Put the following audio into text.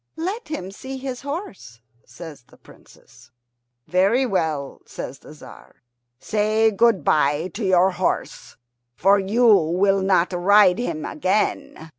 "Let him see his horse," says the Princess. "Very well," says the Tzar. "Say good bye to your horse, for you will not ride him again.